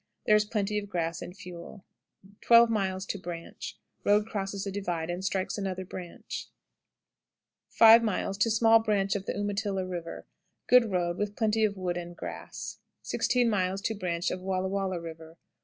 There is plenty of grass and fuel. 12. Branch. Road crosses a divide and strikes another branch. 5. Small branch of the Umatilah River. Good road, with plenty of wood and grass. 16. Branch of Wallah Wallah River.